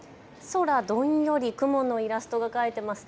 空、どんより、雲のイラストが描いてあります。